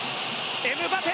エムバペ！